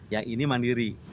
yang ini mandiri